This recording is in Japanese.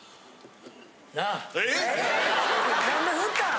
何で振ったん？